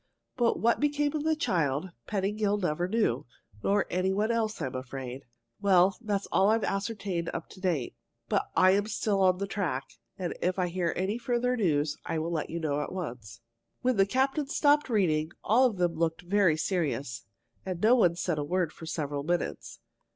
But what became of the child, Pettingill never knew nor any one else, I'm afraid. Well, that's all I've ascertained up to date, but I'm still on the track, and if I hear any further news, I'll let you know at once." When the captain stopped reading, all of them looked very serious, and no one said a word for several minutes.